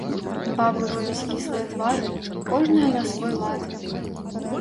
Бабы робяць кіслыя твары, кожная на свой лад.